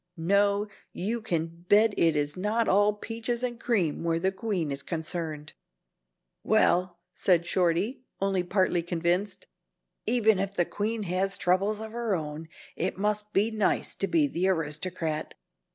No, you can bet it is not all 'peaches and cream' where the queen is concerned." "Well," said Shorty, only partly convinced, "even if the queen has troubles of her own, it must be nice to be the aristocrat.